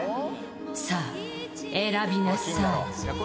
さあ選びなさい